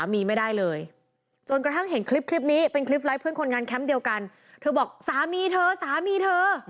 มีเธอสามีเธอ